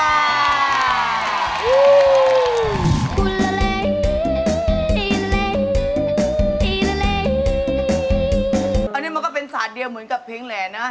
อันนี้มันก็เป็นศาสตร์เดียวเหมือนกับเพลงแหล่นะ